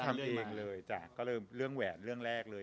กระเทยก็ทำเองเลยจ้ะก็เริ่มเรื่องแหวนเรื่องแรกเลย